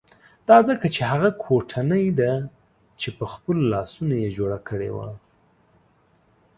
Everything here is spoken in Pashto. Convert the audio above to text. دا ځکه چې هغه کوټنۍ ده چې په خپلو لاسو یې جوړه کړې وه.